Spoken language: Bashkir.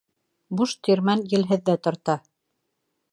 Буш тирмән елһеҙ ҙә тарта.